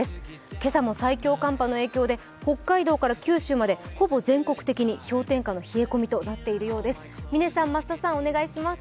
今朝も最強寒波の影響で北海道から九州までほぼ全国的に氷点下の冷え込みとなっているようです。